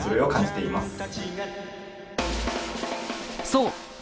そう！